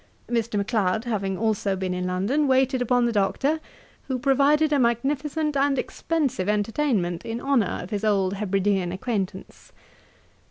Mr. Macleod having also been in London, waited upon the Doctor, who provided a magnificent and expensive entertainment in honour of his old Hebridean acquaintance.'